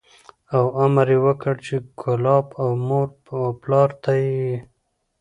او امر یې وکړ چې کلاب او مور و پلار ته یې